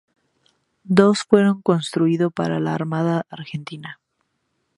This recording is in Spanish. Dos fueron construidos para la Armada Argentina.